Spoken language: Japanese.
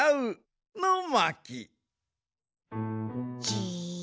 じ。